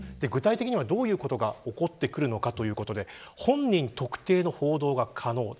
具体的には、どういうことが起こってくるのかということで本人特定の報道が可能。